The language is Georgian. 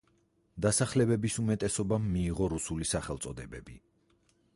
დასახლებების უმეტესობამ მიიღო რუსული სახელწოდებები.